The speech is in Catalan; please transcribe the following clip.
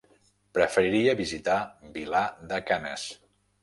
Preferiria visitar Vilar de Canes.